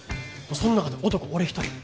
その中で男俺一人。